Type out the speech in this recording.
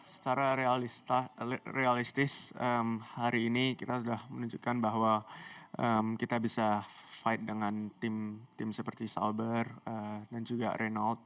secara realistis hari ini kita sudah menunjukkan bahwa kita bisa fight dengan tim seperti salber dan juga reynold